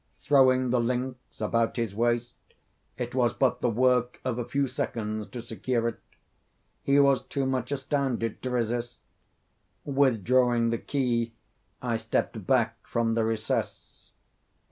Throwing the links about his waist, it was but the work of a few seconds to secure it. He was too much astounded to resist. Withdrawing the key I stepped back from the recess.